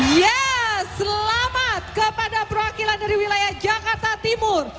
ya selamat kepada perwakilan dari wilayah jakarta timur